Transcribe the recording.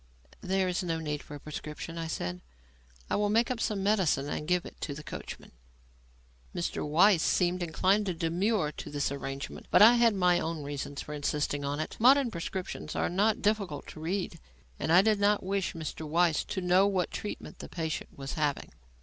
"There is no need for a prescription," I said. "I will make up some medicine and give it to the coachman." Mr. Weiss seemed inclined to demur to this arrangement, but I had my own reasons for insisting on it. Modern prescriptions are not difficult to read, and I did not wish Mr. Weiss to know what treatment the patient was having.